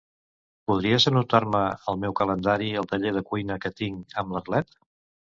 Podries anotar-me al meu calendari el taller de cuina que tinc amb l'Arlet?